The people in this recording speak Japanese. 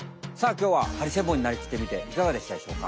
きょうはハリセンボンになりきってみていかがでしたでしょうか。